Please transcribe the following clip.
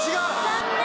残念！